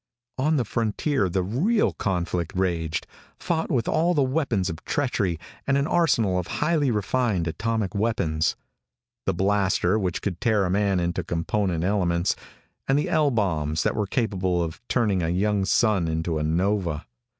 On the frontier the real conflict raged, fought with all the weapons of treachery and an arsenal of highly refined atomic weapons the blaster which could tear a man into component elements, and the L bombs that were capable of turning a young sun into a nova.